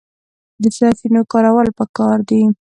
د سرچینو کارول پکار دي